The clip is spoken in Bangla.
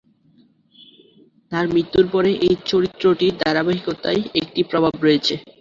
তার মৃত্যুর পরে, এই চরিত্রটির ধারাবাহিকতায় একটি প্রভাব রয়েছে।